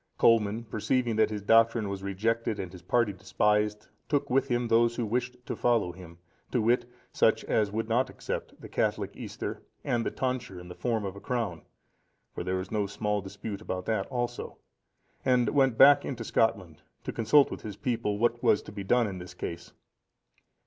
Colman, perceiving that his doctrine was rejected, and his party despised, took with him those who wished to follow him, to wit, such as would not accept the Catholic Easter and the tonsure in the form of a crown,(476) (for there was no small dispute about that also,) and went back into Scotland,(477) to consult with his people what was to be done in this case.